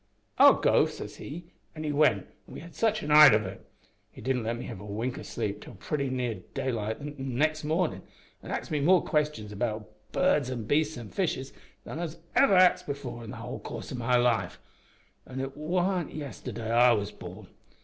"`I'll go,' says he, an' he went an' we had such a night of it! He didn't let me have a wink o' sleep till pretty nigh daylight the next mornin', an' axed me more questions about birds an' beasts an' fishes than I was iver axed before in the whole course o' my life an' it warn't yesterday I was born.